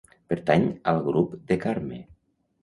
Pertany al grup de Carme.